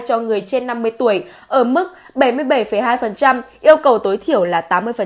cho người trên năm mươi tuổi ở mức bảy mươi bảy hai yêu cầu tối thiểu là tám mươi